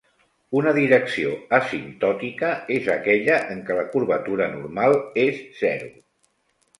Una direcció asimptòtica és aquella en què la curvatura normal és zero.